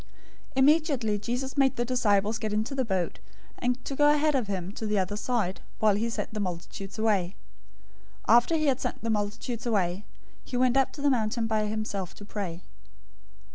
014:022 Immediately Jesus made the disciples get into the boat, and to go ahead of him to the other side, while he sent the multitudes away. 014:023 After he had sent the multitudes away, he went up into the mountain by himself to pray.